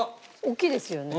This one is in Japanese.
大きいですよね。